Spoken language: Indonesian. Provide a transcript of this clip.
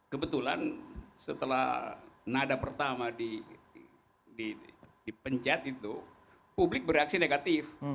kebetulan setelah nada pertama dipencet itu publik bereaksi negatif